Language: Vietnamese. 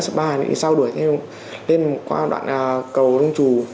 xe phá sau đuổi thêm lên qua đoạn cầu nông chủ